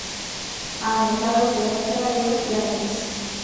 A ambos lados de la fachada hay dos pirámides.